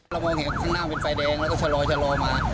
มองเห็นข้างหน้าเป็นไฟแดงแล้วก็ชะลอมา